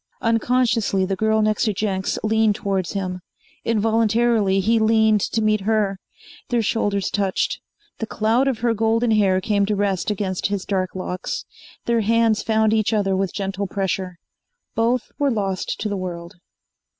Unconsciously the girl next to Jenks leaned towards him. Involuntarily he leaned to meet her. Their shoulders touched. The cloud of her golden hair came to rest against his dark locks. Their hands found each other with gentle pressure. Both were lost to the world.